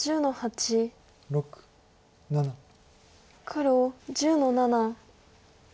黒１０の七。